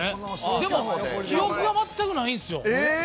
でも、記憶が全くないんですよ。